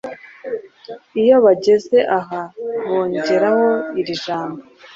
Iyo bageze aha, bongeraho iri jambo: "